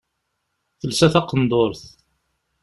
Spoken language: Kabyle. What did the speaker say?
Telsa taqendurt.